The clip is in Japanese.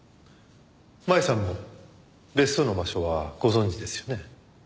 麻衣さんも別荘の場所はご存じですよね？